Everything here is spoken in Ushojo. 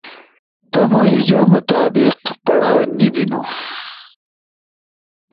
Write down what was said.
ا تمو ہیجو مطابق پڑاؤ نی بینو،